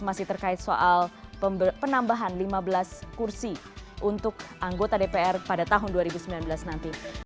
masih terkait soal penambahan lima belas kursi untuk anggota dpr pada tahun dua ribu sembilan belas nanti